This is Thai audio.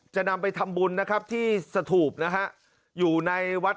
จะนำไปทำบุญนะครับที่สถูปนะฮะอยู่ในวัด